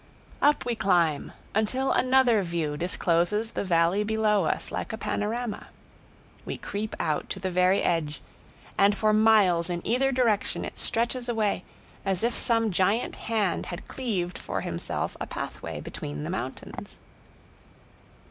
Up we climb, until another view discloses the valley below us like a panorama. We creep out to the very edge, and for miles in either direction it stretches away, as if some giant hand had cleaved for himself a pathway between the mountains.